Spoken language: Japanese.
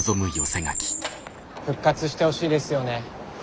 復活してほしいですよね朝來さん。